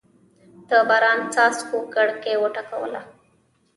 د باران څاڅکو کړکۍ وټکوله.